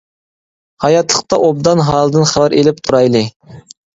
ھاياتلىقتا ئوبدان ھالىدىن خەۋەر ئېلىپ تۇرايلى!